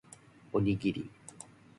おにぎり